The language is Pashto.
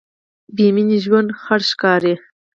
بېمینې ژوند خړ ښکاري.